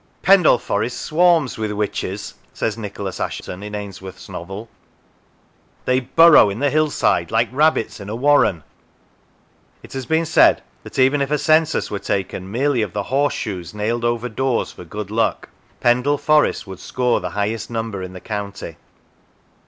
" Pendle Forest swarms with witches," says Nicholas Assheton in Ainsworth's novel; "they burrow in the hillside like rabbits in a warren." It has been said that even if a census were taken merely of the horseshoes nailed over doors for good luck, Pendle Forest would score the highest number in the county.